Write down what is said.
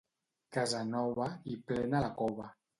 Casa nova, i plena la cova.